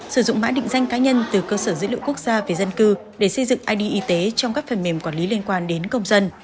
sử dụng mã định danh cá nhân từ cơ sở dữ liệu quốc gia về dân cư để xây dựng id y tế trong các phần mềm quản lý liên quan đến công dân